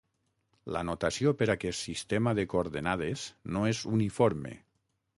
La notació per aquest sistema de coordenades no és uniforme.